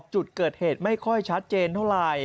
เหตุไม่ค่อยชัดเจนเท่าไร